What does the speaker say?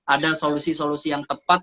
ada solusi solusi yang tepat